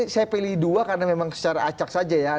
saya pilih dua karena memang secara acak saja ya